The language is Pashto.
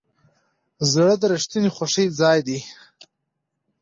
زړه د رښتینې خوښۍ ځای دی.